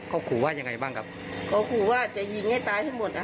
เขาขู่ว่ายังไงบ้างครับเขาขู่ว่าจะยิงให้ตายทั้งหมดอ่ะ